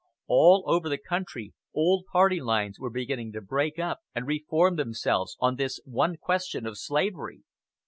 All over the country old party lines were beginning to break up and re form themselves on this one question of slavery.